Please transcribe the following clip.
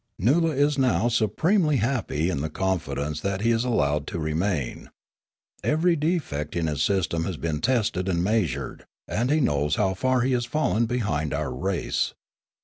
" Noola is now supremely happy in the confidence that he is to be allowed to remain. Every defect in his system has been tested and measured, and he knows how far he has fallen behind our race.